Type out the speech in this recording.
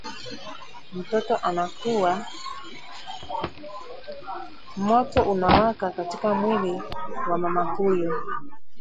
Moto unawaka katika mwili wa mama huyu